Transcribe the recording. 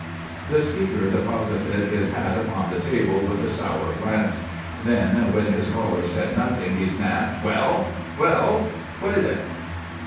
The speaker deposited his hat upon the table with a sour glance; then, when his caller said nothing, he snapped: "Well, well? What is it?"